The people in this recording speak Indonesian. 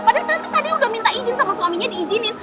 padahal tuh tadi udah minta izin sama suaminya diizinin